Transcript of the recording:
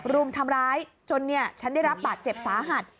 รุมทำร้ายจนฉันได้รับบาดเจ็บสาหัส